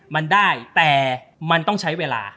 มันได้แต่มันต้องใช้เวลา